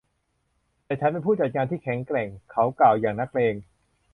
แต่ฉันเป็นผู้จัดงานที่แข็งแกร่ง เขากล่าวอย่างนักเลง